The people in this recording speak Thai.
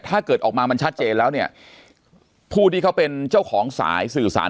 ถ้าเกิดออกมามันชัดเจนแล้วเนี่ยผู้ที่เขาเป็นเจ้าของสายสื่อสาร